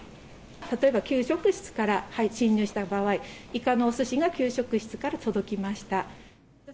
例えば、給食室から侵入した場合、いかのおすしが給食室から届きました。